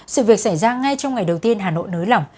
sự việc xảy ra ngay trong ngày đầu tiên hà nội nới lỏng